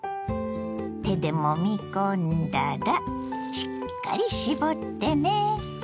手でもみ込んだらしっかり絞ってね。